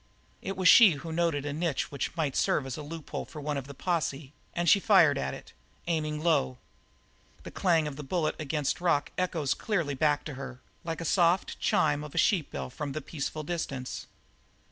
It was she who noted a niche which might serve as a loophole for one of the posse, and she fired at it, aiming low. The clang of the bullet against rock echoes clearly back to her, like the soft chime of a sheep bell from the peaceful distance.